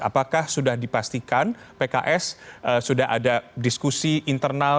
apakah sudah dipastikan pks sudah ada diskusi internal